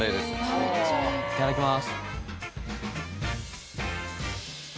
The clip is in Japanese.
いただきます。